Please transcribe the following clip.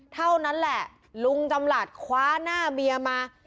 เท่านั้นแหละลุงจำหลัดคว้าหน้าเมียมา